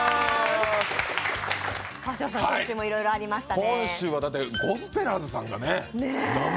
川島さん、今週もいろいろありましたね。